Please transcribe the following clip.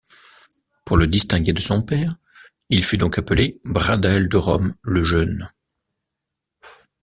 Pour le distinguer de son père, il fut donc appelé Bradel-Derome le Jeune.